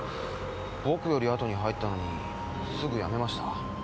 僕より後に入ったのにすぐ辞めました。